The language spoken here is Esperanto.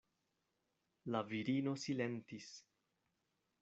La virino silentis.